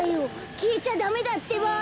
きえちゃダメだってば！